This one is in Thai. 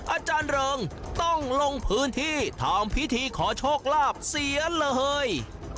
อาจารย์เริงต้องลงพื้นที่ทำพิธีขอโชคลาภเสียเลย